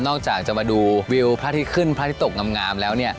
นอกจากจะมาดูวิวพระธิตขึ้นพระธิตตกงำงามแล้วเนี่ย